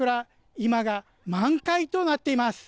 今が満開となっています。